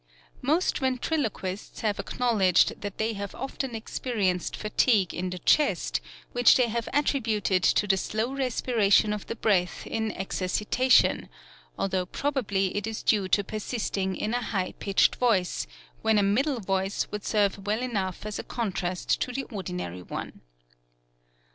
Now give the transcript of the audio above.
Most ventriloquists have acknowledged that they have often experienced fatigue in the chest, which they have attrib uted to the slow respiration of the breath in exercitation, al though probably it is due to persisting in a high pitched voice, when a middle voice would serve well enough as a contrast to the ordinary one.